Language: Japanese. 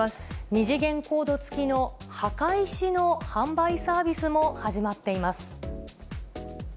二次元コード付きの墓石の販売サービスも始まっています。